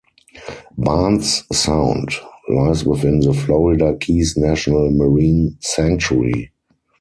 Barnes Sound lies within the Florida Keys National Marine Sanctuary.